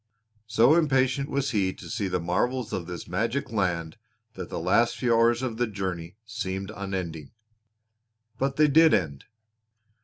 So impatient was he to see the marvels of this magic land that the last few hours of the journey seemed unending. But they did end.